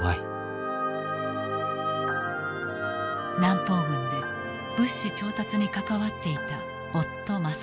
南方軍で物資調達に関わっていた夫政春。